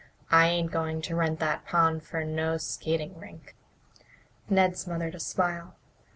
I ain't going to rent that pond for no skating rink." Ned smothered a smile.